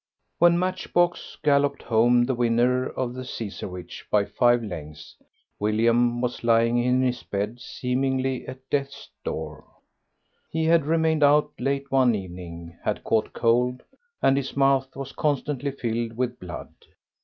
XLIII When Matchbox galloped home the winner of the Cesarewitch by five lengths, William was lying in his bed, seemingly at death's door. He had remained out late one evening, had caught cold, and his mouth was constantly filled with blood.